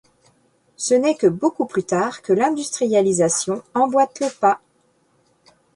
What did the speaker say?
Ce n'est que beaucoup plus tard que l'industrialisation emboîte le pas.